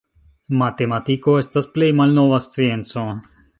Matematiko estas plej malnova scienco.